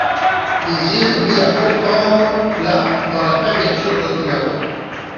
Les îles Miyako forment la dans la préfecture d'Okinawa.